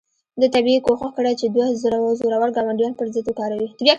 ده طبیعي کوښښ کړی چې دوه زورور ګاونډیان پر ضد وکاروي.